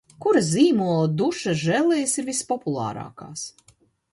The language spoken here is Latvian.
Kura zīmola dušas želejas ir vispopulārākās?